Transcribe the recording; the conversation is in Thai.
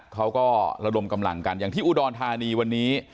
เขาก็ระดมกำลังกันอย่างที่อุดรธานีวันนี้